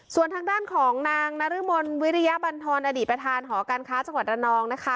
ส่วนทางด้านของนางนรมนวิริยบันทรอดีตประธานหอการค้าจังหวัดระนองนะคะ